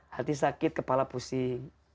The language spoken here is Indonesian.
hati sakit kepala pusing